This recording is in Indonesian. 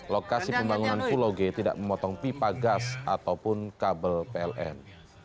lokasi pembangunan pulau g tidak memotong pipa gas ataupun kabel pln